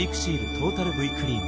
「トータルＶクリーム」